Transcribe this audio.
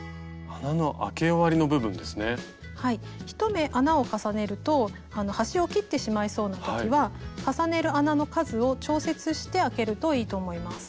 １目穴を重ねると端を切ってしまいそうな時は重ねる穴の数を調節してあけるといいと思います。